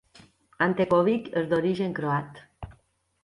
Ante Covic és d'origen croat.